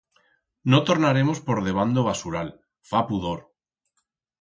No tornaremos por debant d'o vasural, fa pudor.